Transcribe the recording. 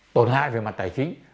tổn hại về mặt tài chính